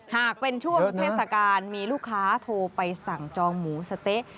หากเป็นช่วงเทศกาลมีลูกค้าโทรไปสั่งจองหมูสะเต๊ะ